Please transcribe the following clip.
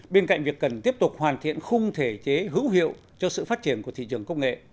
bên cạnh việc cần tiếp tục hoàn thiện khung thể chế hữu hiệu cho sự phát triển của thị trường công nghệ